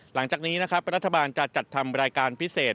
หลังจากนี้นะครับรัฐบาลจะจัดทำรายการพิเศษ